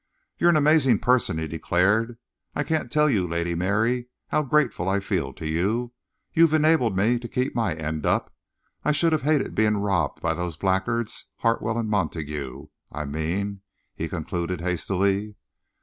"You're an amazing person," he declared. "I can't tell you, Lady Mary, how grateful I feel to you. You've enabled me to keep my end up. I should have hated being robbed by those blackguards Hartwell and Montague, I mean," he concluded hastily.